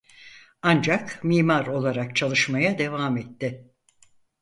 Ancak mimar olarak çalışmaya devam etti.